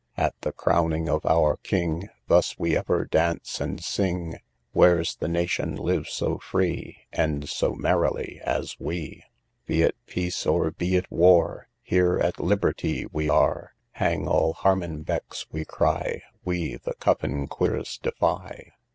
{58b} II. At the crowning of our king, Thus we ever dance and sing; Where's the nation lives so free, And so merrily as we! III. Be it peace, or be it war, Here at liberty we are: Hang all Harmenbecks, {58c} we cry, We the Cuffin Queres {58d} defy.